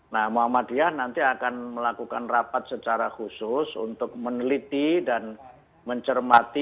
nah muhammadiyah nanti akan melakukan rapat secara khusus untuk meneliti dan mencermati